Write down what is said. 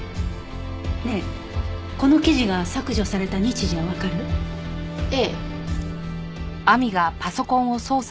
ねえこの記事が削除された日時はわかる？ええ。